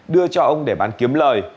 đưa cho ông để bán kiếm lời